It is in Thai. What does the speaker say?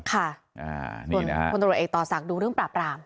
ค่ะส่วนพลตรวจเอกต่อศักดิ์ดูเรื่องปราบราม